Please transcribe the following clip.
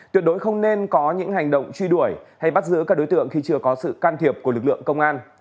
tuyệt đối không nên có những hành động truy đuổi hay bắt giữ các đối tượng khi chưa có sự can thiệp của lực lượng công an